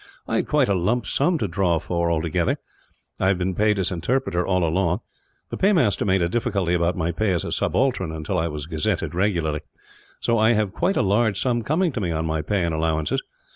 I had quite a lump sum to draw for although, I have been paid as interpreter all along, the paymaster made a difficulty about my pay as a subaltern, until I was gazetted regularly; so I have quite a large sum coming to me, on my pay and allowances.